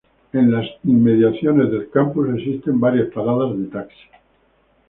En las inmediaciones del campus existen varias paradas de taxi.